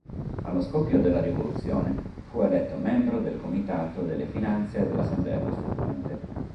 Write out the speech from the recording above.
Allo scoppio della Rivoluzione fu eletto membro del comitato delle Finanze dell'Assemblea Costituente.